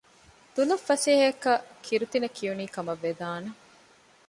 ދުލަށް ފަސޭހައަކަށް ކިރުތިނަ ކިޔުނީ ކަމަށް ވެދާނެ